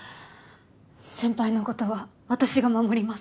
先輩のことは私が守ります。